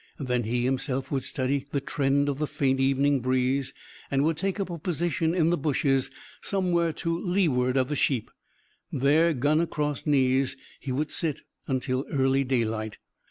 Then he himself would study the trend of the faint evening breeze; and would take up a position in the bushes, somewhere to leeward of the sheep. There, gun across knees, he would sit, until early daylight.